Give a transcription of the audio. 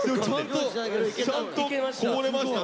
ちゃんとこぼれました。